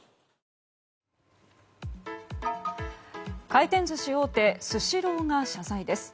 回転寿司大手スシローが謝罪です。